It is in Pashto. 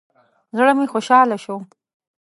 زړه مې خوشحاله شو.